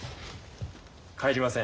帰りません。